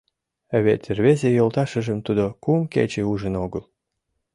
Вет рвезе йолташыжым тудо кум кече ужын огыл.